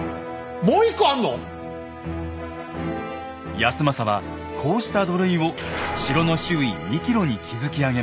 康政はこうした土塁を城の周囲２ｋｍに築き上げました。